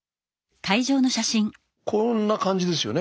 こんな感じですよね